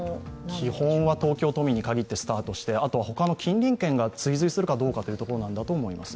基本は東京都民に限ってスタートしてあと他の近隣県が追随するかどうかということだと思います。